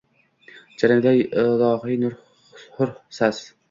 Jaranglagay ilohiy hur sas!